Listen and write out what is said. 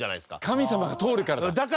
神様が通るからだ。